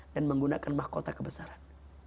dan menggunakan mahkota kebesaran